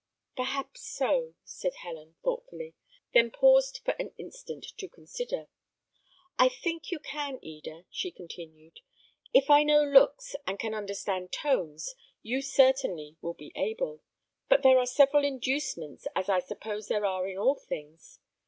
"Perhaps so," said Helen, thoughtfully, and then paused for an instant to consider. "I think you can, Eda," she continued. "If I know looks, and can understand tones, you certainly will be able. But there are several inducements, as I suppose there are in all things.